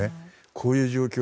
こういう状況